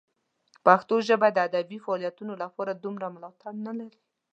پښتو ژبه د ادبي فعالیتونو لپاره دومره ملاتړ نه لري.